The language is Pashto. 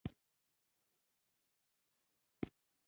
کاکا تر عراقي آس لاندې راوغورځېد.